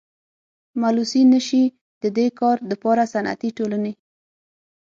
ملوثي نشي ددي کار دپاره صنعتي ټولني.